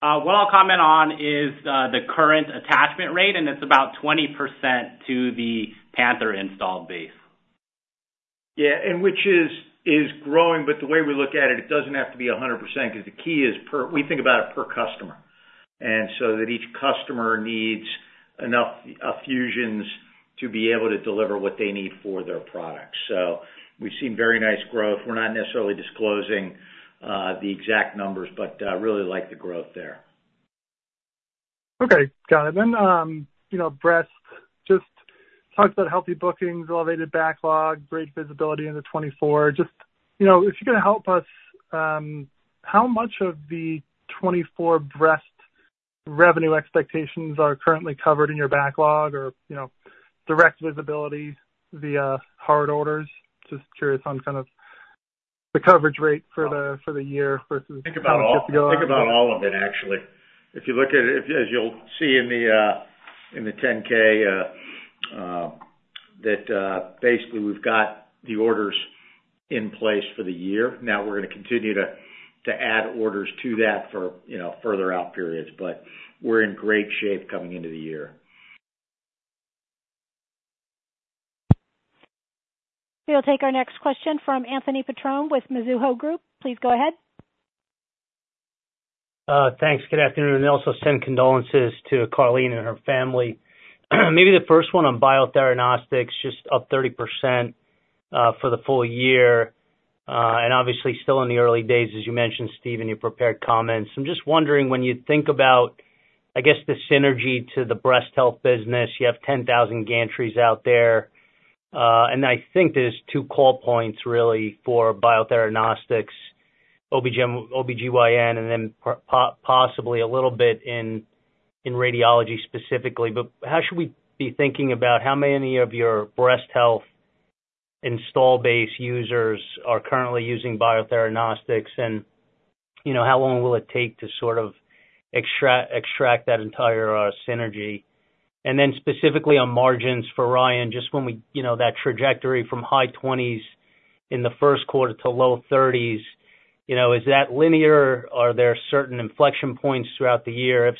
What I'll comment on is the current attachment rate, and it's about 20% to the Panther installed base. Yeah, and which is growing, but the way we look at it, it doesn't have to be 100%, because the key is per customer. We think about it per customer. And so that each customer needs enough fusions to be able to deliver what they need for their products. So we've seen very nice growth. We're not necessarily disclosing the exact numbers, but really like the growth there. Okay, got it. Then, you know, breast, just talked about healthy bookings, elevated backlog, great visibility into 2024. Just, you know, if you could help us, how much of the 2024 breast revenue expectations are currently covered in your backlog or, you know, direct visibility via hard orders? Just curious on kind of the coverage rate for the, for the year versus- Think about all, think about all of it, actually. If you look at it, as you'll see in the 10-K, that basically, we've got the orders in place for the year. Now, we're gonna continue to add orders to that for, you know, further out periods, but we're in great shape coming into the year. We'll take our next question from Anthony Petrone with Mizuho Group. Please go ahead. Thanks. Good afternoon, and also send condolences to Karleen and her family. Maybe the first one on Biotheranostics, just up 30% for the full year, and obviously still in the early days, as you mentioned, Steve, in your prepared comments. I'm just wondering, when you think about, I guess, the synergy to the breast health business, you have 10,000 gantries out there, and I think there's two call points, really, for Biotheranostics, OB/GYN, and then possibly a little bit in radiology, specifically. But how should we be thinking about how many of your breast health install base users are currently using Biotheranostics? And, you know, how long will it take to sort of extract that entire synergy? And then specifically on margins for Ryan, just when we... You know, that trajectory from high 20s in the first quarter to low 30s.... You know, is that linear? Are there certain inflection points throughout the year? If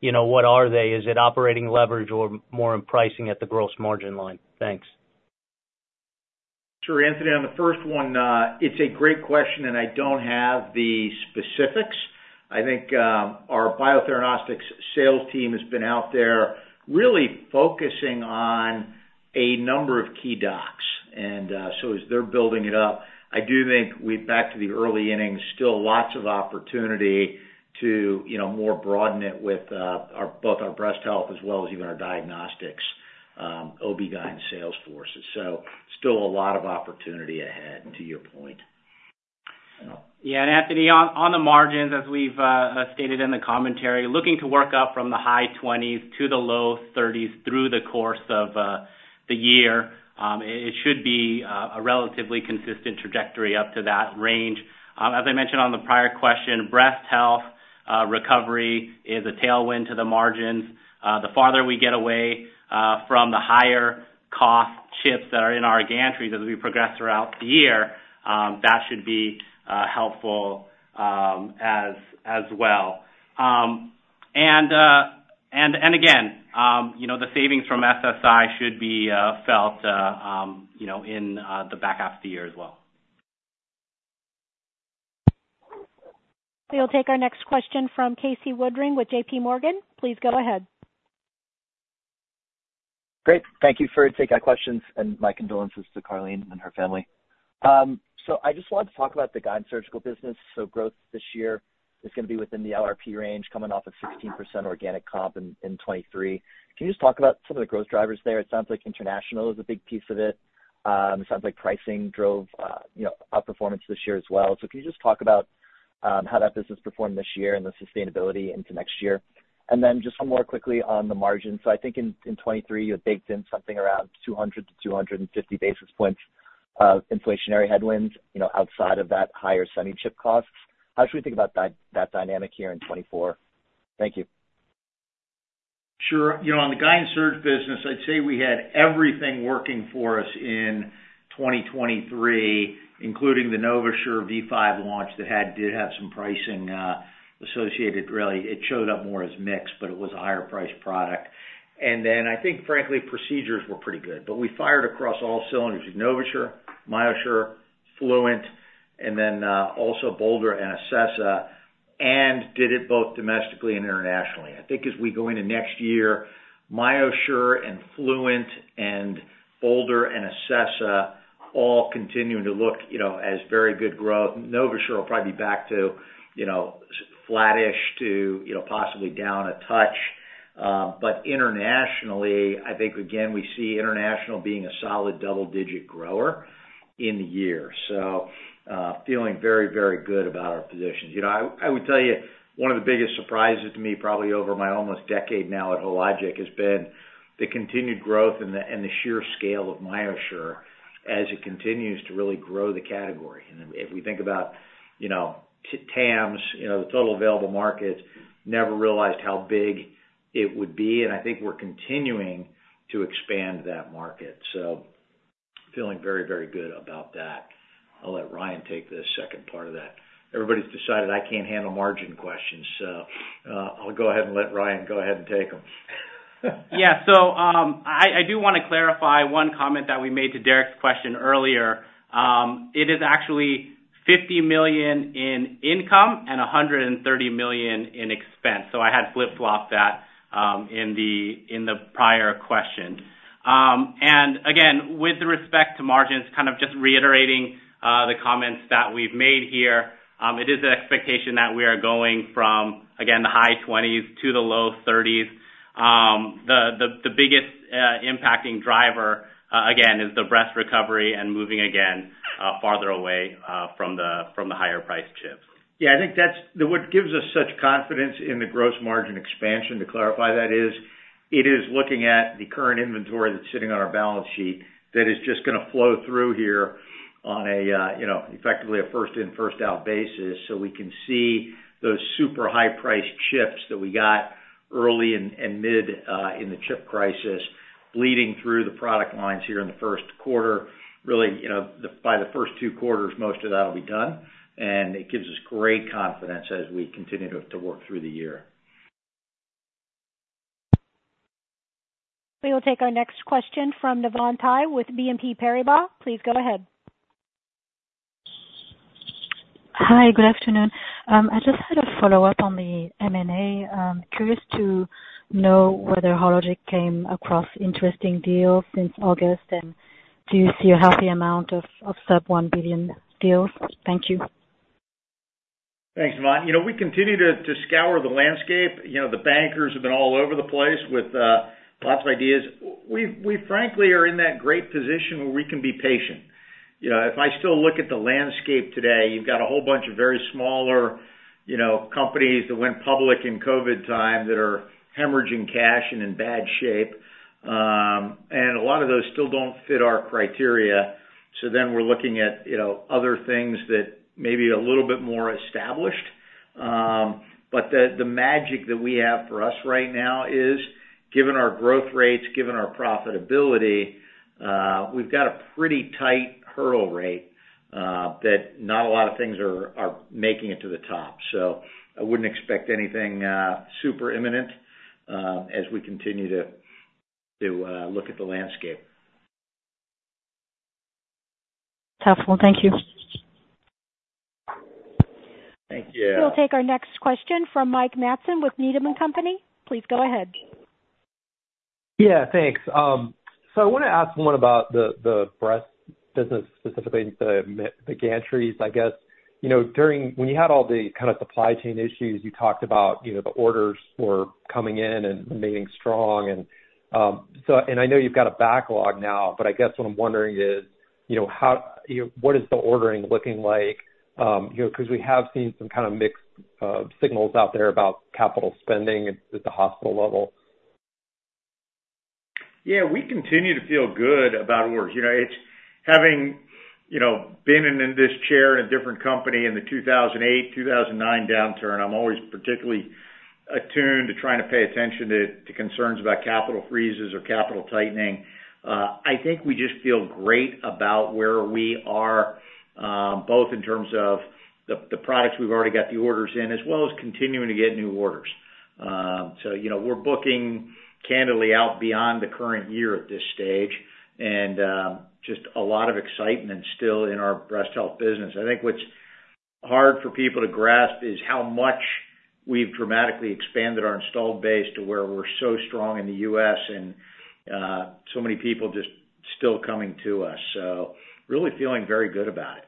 so, you know, what are they? Is it operating leverage or more in pricing at the gross margin line? Thanks. Sure, Anthony, on the first one, it's a great question, and I don't have the specifics. I think, our Biotheranostics sales team has been out there really focusing on a number of key docs. And, so as they're building it up, I do think we're back to the early innings. Still lots of opportunity to, you know, more broaden it with, our- both our breast health as well as even our diagnostics, OB/GYN sales forces. So still a lot of opportunity ahead, to your point. Yeah, and Anthony, on the margins, as we've stated in the commentary, looking to work up from the high twenties to the low thirties through the course of the year. It should be a relatively consistent trajectory up to that range. As I mentioned on the prior question, breast health recovery is a tailwind to the margins. The farther we get away from the higher cost chips that are in our gantry as we progress throughout the year, that should be helpful as well. And again, you know, the savings from SSI should be felt, you know, in the back half of the year as well. We'll take our next question from Casey Woodring with JP Morgan. Please go ahead. Great. Thank you for taking our questions, and my condolences to Karleen and her family. So I just wanted to talk about the GYN surgical business. So growth this year is going to be within the LRP range, coming off of 16% organic comp in 2023. Can you just talk about some of the growth drivers there? It sounds like international is a big piece of it. It sounds like pricing drove, you know, outperformance this year as well. So can you just talk about how that business performed this year and the sustainability into next year? And then just one more quickly on the margins. So I think in 2023, you had baked in something around 200-250 basis points of inflationary headwinds, you know, outside of that higher semi-chip costs. How should we think about that dynamic here in 2024? Thank you. Sure. You know, on the GYN and Surg business, I'd say we had everything working for us in 2023, including the NovaSure V5 launch that did have some pricing associated. Really, it showed up more as mixed, but it was a higher priced product. And then I think, frankly, procedures were pretty good. But we fired across all cylinders, NovaSure, MyoSure, Fluent, and then also Bolder and Acessa, and did it both domestically and internationally. I think as we go into next year, MyoSure and Fluent and Bolder and Acessa all continuing to look, you know, as very good growth. NovaSure will probably be back to, you know, flattish to, you know, possibly down a touch. But internationally, I think again, we see international being a solid double-digit grower in the year. So, feeling very, very good about our positions. You know, I, I would tell you, one of the biggest surprises to me, probably over my almost decade now at Hologic, has been the continued growth and the, and the sheer scale of MyoSure as it continues to really grow the category. And if we think about, you know, TAMS, you know, the Total Available Markets, never realized how big it would be, and I think we're continuing to expand that market. So feeling very, very good about that. I'll let Ryan take the second part of that. Everybody's decided I can't handle margin questions, so, I'll go ahead and let Ryan go ahead and take them. Yeah. So, I do want to clarify one comment that we made to Derik's question earlier. It is actually $50 million in income and $130 million in expense. So I had flip-flopped that, in the prior question. And again, with respect to margins, kind of just reiterating, the comments that we've made here, it is an expectation that we are going from, again, the high 20s% to the low 30s%. The biggest impacting driver, again, is the breast recovery and moving again, farther away, from the higher priced chips. Yeah, I think that's... What gives us such confidence in the gross margin expansion, to clarify that, is looking at the current inventory that's sitting on our balance sheet that is just going to flow through here on a, you know, effectively a first in, first out basis. So we can see those super high-priced chips that we got early and mid in the chip crisis bleeding through the product lines here in the first quarter. Really, you know, then by the first two quarters, most of that will be done, and it gives us great confidence as we continue to work through the year. We will take our next question from Navann Ty with BNP Paribas. Please go ahead. Hi, good afternoon. I just had a follow-up on the M&A. Curious to know whether Hologic came across interesting deals since August, and do you see a healthy amount of sub-one billion deals? Thank you. Thanks, Navann Ty. You know, we continue to scour the landscape. You know, the bankers have been all over the place with lots of ideas. We frankly are in that great position where we can be patient. You know, if I still look at the landscape today, you've got a whole bunch of very smaller, you know, companies that went public in COVID time that are hemorrhaging cash and in bad shape. And a lot of those still don't fit our criteria. So then we're looking at, you know, other things that may be a little bit more established. But the magic that we have for us right now is, given our growth rates, given our profitability, we've got a pretty tight hurdle rate that not a lot of things are making it to the top. I wouldn't expect anything super imminent as we continue to look at the landscape. Tough one. Thank you. Thank you. We'll take our next question from Mike Matson with Needham & Company. Please go ahead. Yeah, thanks. So I wanna ask more about the breast business, specifically the gantries, I guess. You know, during when you had all the kind of supply chain issues, you talked about, you know, the orders were coming in and remaining strong and, so. And I know you've got a backlog now, but I guess what I'm wondering is, you know, how, what is the ordering looking like? You know, 'cause we have seen some kind of mixed signals out there about capital spending at the hospital level. Yeah, we continue to feel good about orders. You know, it's having, you know, been in this chair in a different company in the 2008, 2009 downturn, I'm always particularly attuned to trying to pay attention to concerns about capital freezes or capital tightening. I think we just feel great about where we are, both in terms of the products we've already got the orders in, as well as continuing to get new orders. So you know, we're booking candidly out beyond the current year at this stage, and just a lot of excitement still in our breast health business. I think what's hard for people to grasp is how much we've dramatically expanded our installed base to where we're so strong in the US and so many people just still coming to us. So really feeling very good about it.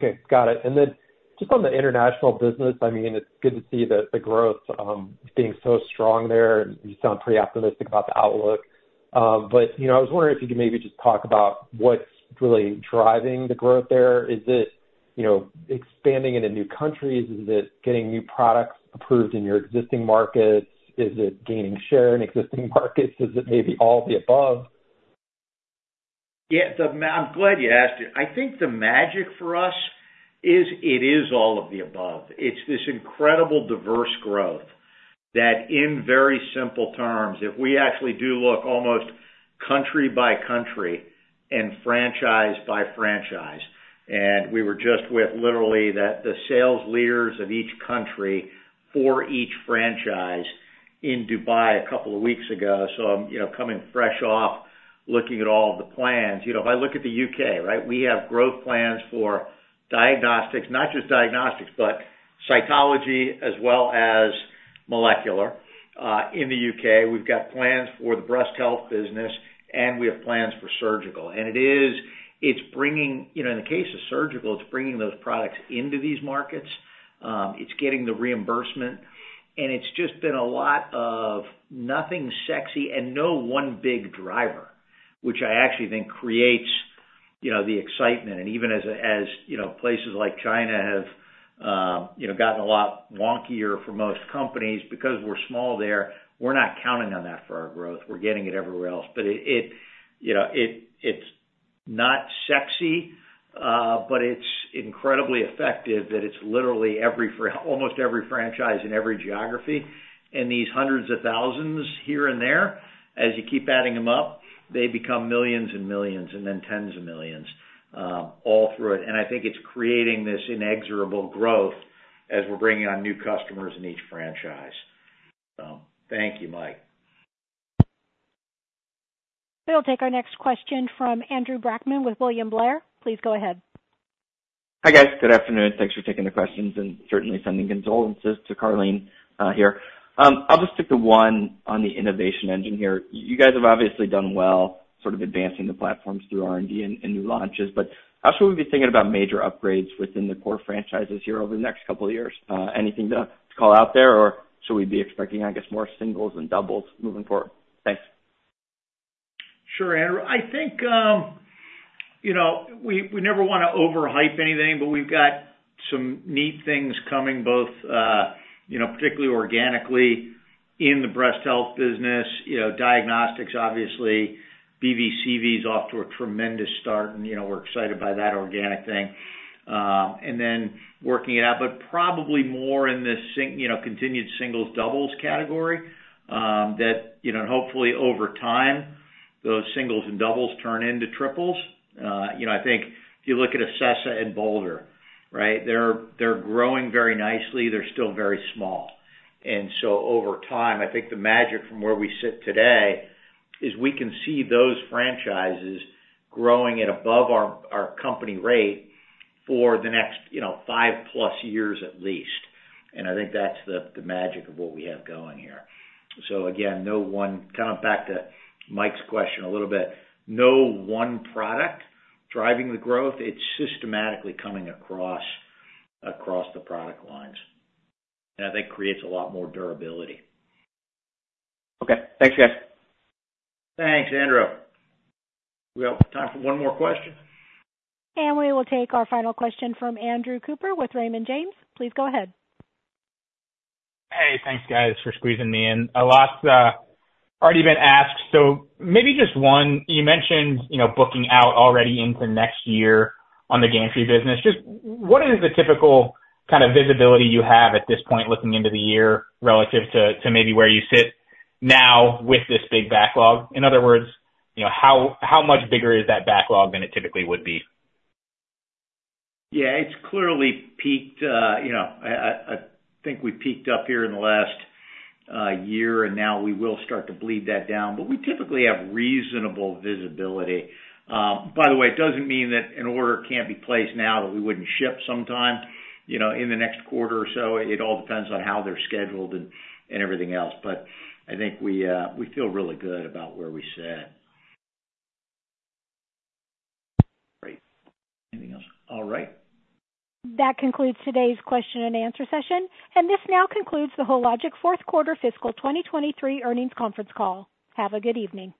Okay, got it. And then just on the international business, I mean, it's good to see the growth being so strong there, and you sound pretty optimistic about the outlook. But, you know, I was wondering if you could maybe just talk about what's really driving the growth there. Is it, you know, expanding into new countries? Is it getting new products approved in your existing markets? Is it gaining share in existing markets? Is it maybe all the above? Yeah, I'm glad you asked it. I think the magic for us is, it is all of the above. It's this incredible diverse growth that, in very simple terms, if we actually do look almost country by country and franchise by franchise, and we were just with literally the sales leaders of each country for each franchise in Dubai a couple of weeks ago. So I'm, you know, coming fresh off looking at all of the plans. You know, if I look at the U.K., right? We have growth plans for diagnostics, not just diagnostics, but cytology as well as molecular in the U.K. We've got plans for the breast health business, and we have plans for surgical. And it is... It's bringing, you know, in the case of surgical, it's bringing those products into these markets, it's getting the reimbursement, and it's just been a lot of nothing sexy and no one big driver, which I actually think creates, you know, the excitement. And even as, you know, places like China have gotten a lot wonkier for most companies, because we're small there, we're not counting on that for our growth. We're getting it everywhere else. But it, you know, it, it's not sexy, but it's incredibly effective, that it's literally almost every franchise in every geography. And these hundreds of thousands here and there, as you keep adding them up, they become millions and millions, and then tens of millions, all through it. I think it's creating this inexorable growth as we're bringing on new customers in each franchise. Thank you, Mike. We'll take our next question from Andrew Brackmann with William Blair. Please go ahead. Hi, guys. Good afternoon. Thanks for taking the questions and certainly sending condolences to Karleen here. I'll just stick to one on the innovation engine here. You guys have obviously done well, sort of advancing the platforms through R&D and new launches, but how should we be thinking about major upgrades within the core franchises here over the next couple of years? Anything to call out there, or should we be expecting, I guess, more singles and doubles moving forward? Thanks. Sure, Andrew. I think, you know, we, we never wanna overhype anything, but we've got some neat things coming, both, you know, particularly organically in the breast health business. You know, diagnostics, obviously. BV/CV is off to a tremendous start, and, you know, we're excited by that organic thing, and then working it out. But probably more in the singles, you know, continued singles, doubles category, that, you know, hopefully, over time, those singles and doubles turn into triples. You know, I think if you look at Acessa and Bolder, right? They're, they're growing very nicely. They're still very small. And so over time, I think the magic from where we sit today, is we can see those franchises growing at above our, our company rate for the next, you know, 5+ years at least. I think that's the magic of what we have going here. So again, no one, kinda back to Mike's question a little bit, no one product driving the growth. It's systematically coming across the product lines, and I think creates a lot more durability. Okay. Thanks, guys. Thanks, Andrew. We have time for one more question. We will take our final question from Andrew Cooper with Raymond James. Please go ahead. Hey, thanks, guys, for squeezing me in. A lot's already been asked, so maybe just one. You mentioned, you know, booking out already into next year on the Gantry business. Just what is the typical kind of visibility you have at this point, looking into the year relative to, to maybe where you sit now with this big backlog? In other words, you know, how, how much bigger is that backlog than it typically would be? Yeah, it's clearly peaked. You know, I think we peaked up here in the last year, and now we will start to bleed that down, but we typically have reasonable visibility. By the way, it doesn't mean that an order can't be placed now, that we wouldn't ship sometime, you know, in the next quarter or so. It all depends on how they're scheduled and everything else, but I think we feel really good about where we sit. Great. Anything else? All right. That concludes today's question and answer session, and this now concludes the Hologic fourth quarter fiscal 2023 earnings conference call. Have a good evening.